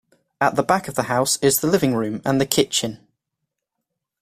At the back of the house is the living room and the kitchen.